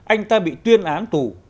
anh ta bị tuyên án tù